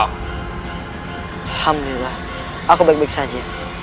alhamdulillah aku baik baik saja